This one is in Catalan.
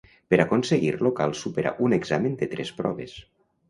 Per aconseguir-lo cal superar un examen de tres proves.